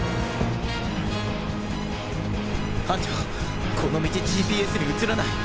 班長この道ＧＰＳに映らない。